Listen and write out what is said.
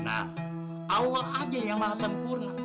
nah allah aja yang maha sempurna